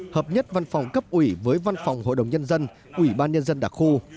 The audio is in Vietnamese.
hợp nhất văn phòng cấp ủy với văn phòng hội đồng nhân dân ủy ban nhân dân đặc khu